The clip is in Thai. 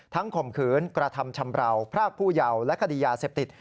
ข่มขืนกระทำชำราวพรากผู้เยาว์และคดียาเสพติด